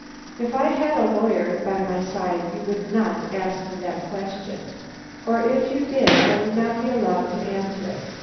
"If I had a lawyer by my side, you would not ask me that question, or if you did, I would not be allowed to answer it.